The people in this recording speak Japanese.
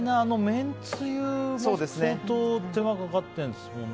めんつゆも相当手間かかってるんですもんね。